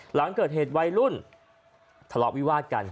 หลังเกิดเหตุวัยรุ่นทะเลาะวิวาดกัน